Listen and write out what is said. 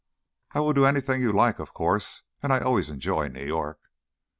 "I will do anything you like, of course, and I always enjoy New York."